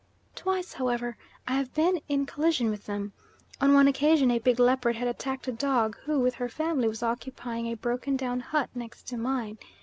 Twice, however, I have been in collision with them. On one occasion a big leopard had attacked a dog, who, with her family, was occupying a broken down hut next to mine.